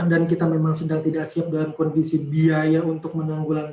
dan kita memang sedang tidak siap dalam kondisi biaya untuk menanggulannya